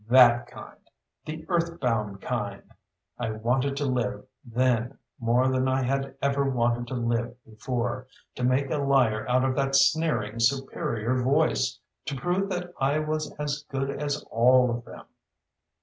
That kind. The Earthbound kind! I wanted to live, then, more than I had ever wanted to live before. To make a liar out of that sneering, superior voice. To prove that I was as good as all of them.